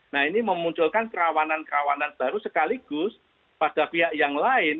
nah ini memunculkan kerawanan kerawanan baru sekaligus pada pihak yang lain